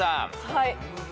はい。